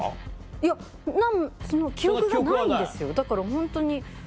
いや記憶がないんですよだからホントに。